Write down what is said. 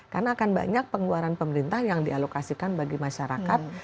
karena akan banyak pengeluaran pemerintah yang dialokasikan bagi masyarakat